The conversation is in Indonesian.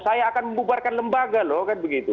saya akan membubarkan lembaga loh kan begitu